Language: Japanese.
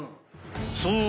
そう。